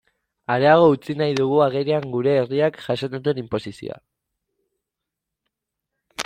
Areago utzi nahi dugu agerian geure herriak jasaten duen inposizioa.